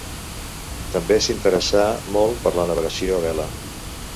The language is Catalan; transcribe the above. També s’interessà molt per la navegació a vela.